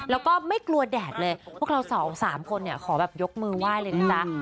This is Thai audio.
แล้วก็ไม่กลัวแดดเลยพวกเราสามคนขอยกมือไหว้เลยนะจ๊ะ